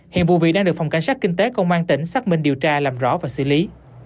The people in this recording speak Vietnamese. hiện vụ việc đang được phòng cảnh sát kinh tế công an tỉnh xác minh điều tra làm rõ và xử lý